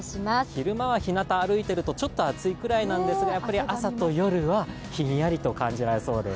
昼間はひなた歩いてると、ちょっと暑いくらいなんですが、朝と夜はひんやりと感じられそうです。